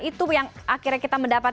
itu yang akhirnya kita mendapat